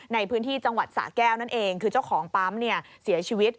ในพื้นที่จังหวัดสะแก้วนั่นเองคือเจ้าของปั๊มเนี่ยเสียชีวิต